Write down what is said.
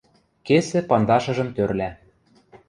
кесӹ пандашыжым тӧрлӓ.